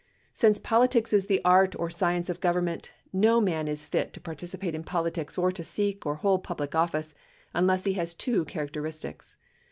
Since politics is the art. or science of government, no man is fit to participate in politics or to seek or hold public office unless he has two characteristics.